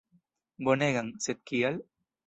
Bonegan, sed kial?